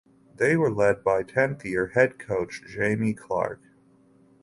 They were led by tenth year head coach Jamie Clark.